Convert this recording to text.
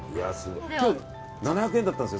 今日７００円だったんですよ。